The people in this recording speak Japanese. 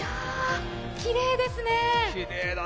きれいですね。